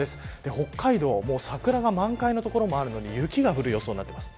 北海道は桜が満開の所もあるのに雪が降る予想になっています。